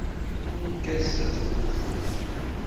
Ḥukk-as taẓunẓut!